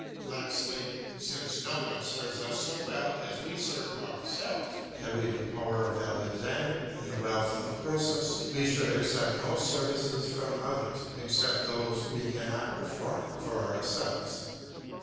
Lastly, since no one serves us so well as we serve ourselves, had we the power of Alexander and the wealth of Croesus we should accept no services from others, except those we cannot perform for ourselves.